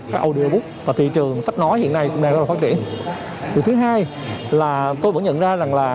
các audio book và thị trường sách nói hiện nay cũng đang đang phát triển thứ hai là tôi vẫn nhận ra